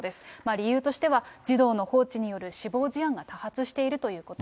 理由としては、児童の放置による死亡事案が多発しているということ。